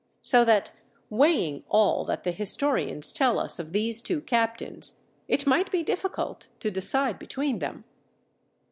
So that weighing all that the historians tell us of these two captains, it might be difficult to decide between them.